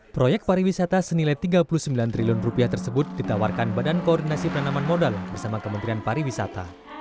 proyek pariwisata senilai rp tiga puluh sembilan triliun tersebut ditawarkan badan koordinasi penanaman modal bersama kementerian pariwisata